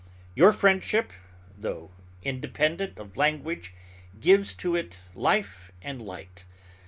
Your friendship, though independent of language, gives to it life and light.